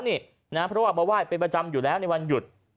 เพราะว่ามาไหว้เป็นประจำอยู่แล้วในวันหยุด